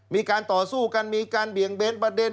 มีการต่อสู้กันมีการเบี่ยงเบนประเด็น